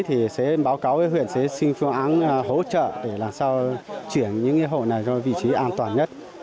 thì sẽ báo cáo huyện xin phương án hỗ trợ để làm sao chuyển những hộ này cho vị trí an toàn nhất